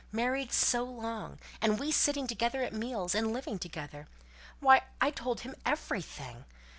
Married so long! and we sitting together at meals and living together. Why, I told him everything!